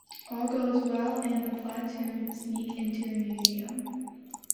All goes well, and the platoon sneak into the museum.